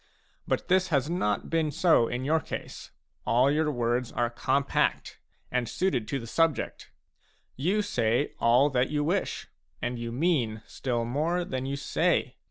But this has not been so in your case ; all your words are compact, and suited to the subject. You say all that you wish, and you mean still more than you say.